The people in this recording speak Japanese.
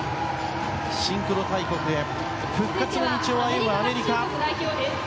シンクロ大国へ復活の道を歩むアメリカ。